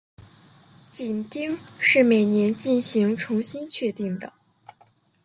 紧盯是每年进行重新确定的。